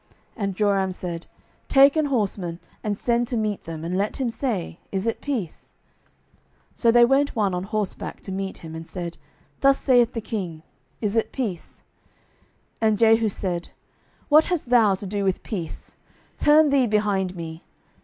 And Joram said, Take an horseman, and send to meet them, and let him say, Is it peace? 12:009:018 So there went one on horseback to meet him, and said, Thus saith the king, Is it peace? And Jehu said, What hast thou to do with peace? turn thee behind me.